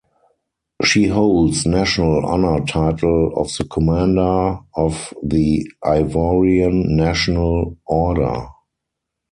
She holds national honour title of the Commander of the Ivorian National Order.